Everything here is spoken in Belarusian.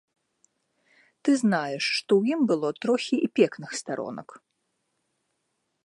Ты знаеш, што ў ім было трохі і пекных старонак.